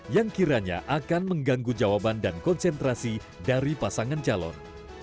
yang kiranya akan mengganggu jawaban dan konsentrasi dari pasangan calon